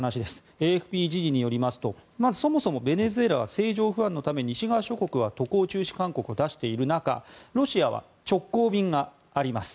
ＡＦＰ時事によりますとそもそもベネズエラは政情不安のため西側諸国は渡航中止勧告を出している中ロシアは直行便があります。